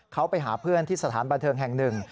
เขาไปหาเพื่อนที่สถานบันเทิงแห่งหนึ่ง